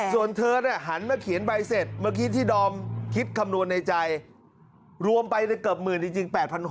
ส่วนเธอหันมาเขียนใบเสร็จเมื่อกี้ที่ดอมคิดคำนวณในใจรวมไปเกือบหมื่นจริง๘๖๐